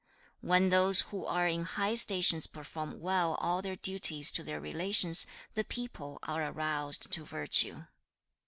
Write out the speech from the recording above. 2. 'When those who are in high stations perform well all their duties to their relations, the people are aroused to virtue.